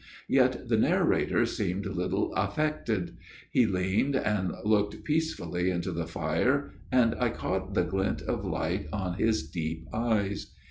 Yet the narrator seemed little affected ; he leaned and looked peacefully into the fire, and I caught the glint of light on his deep eyes.